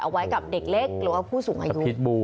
ไว้กับเด็กเล็กหรือว่าผู้สูงอายุ